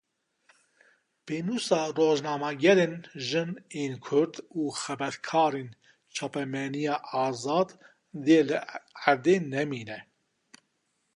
Pênûsa rojnamegerên jin ên Kurd û xebatkarên çapemeniya azad dê li erdê nemîne